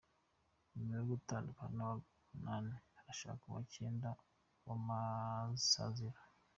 Nyuma yo gutandukana n’abagabo Umunani arashaka uwa Cyenda w’amasaziro